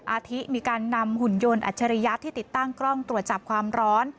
อาทิมีการนำหุ่นยนต์อัจฉริยะที่ติดตั้งกล้องตรวจจับความร้อน